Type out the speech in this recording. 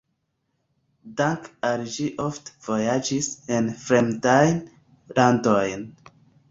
Dank`al ĝi ofte vojaĝis en fremdajn landojn.